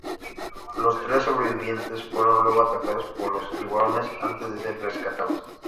Los tres sobrevivientes fueron luego atacados por los tiburones antes de ser rescatados.